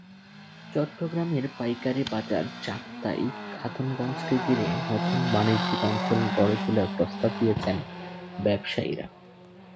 চট্টগ্রামের পাইকারি বাজার চাক্তাই-খাতুনগঞ্জকে ঘিরে নতুন বাণিজ্যিক অঞ্চল গড়ে তোলার প্রস্তাব দিয়েছেন ব্যবসায়ীরা।